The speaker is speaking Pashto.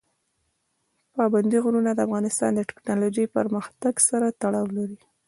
پابندی غرونه د افغانستان د تکنالوژۍ پرمختګ سره تړاو لري.